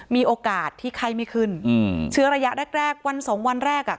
มีโอกาสที่ไข้ไม่ขึ้นอืมเชื้อระยะแรกแรกวันสองวันแรกอ่ะ